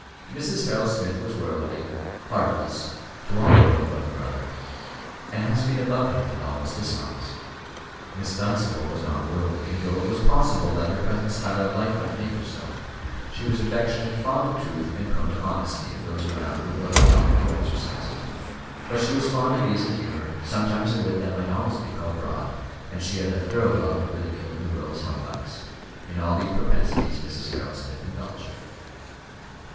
Mrs. Harold Smith was worldly, heartless to all the world but her brother and, as has been above hinted, almost dishonest. Miss Dunstable was not worldly, though it was possible that her present style of life might make her so; she was affectionate, fond of truth, and prone to honesty, if those around would but allow her to exercise it. But she was fond of ease and humour, sometimes of wit that might almost be called broad, and she had a thorough love of ridiculing the world's humbugs. In all these propensities Mrs. Harold Smith indulged her.